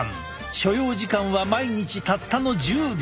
所要時間は毎日たったの１０秒。